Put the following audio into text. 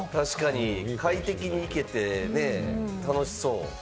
快適に行けてね、楽しそう。